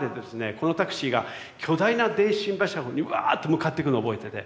このタクシーが巨大な電信柱のほうにうわぁと向かっていくのを覚えてて。